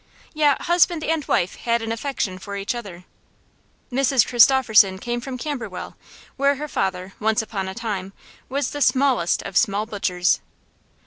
Yet husband and wife had an affection for each other. Mrs Christopherson came from Camberwell, where her father, once upon a time, was the smallest of small butchers.